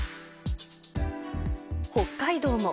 北海道も。